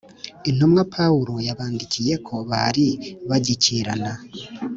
intumwa Pawulo yabandikiye ko bari bagikirana